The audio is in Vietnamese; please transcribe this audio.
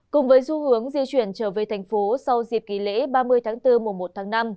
cùng với xu hướng di chuyển trở về thành phố sau dịp nghỉ lễ ba mươi tháng bốn mùa một tháng năm